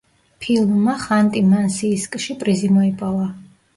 ფილმმა ხანტი-მანსიისკში პრიზი მოიპოვა.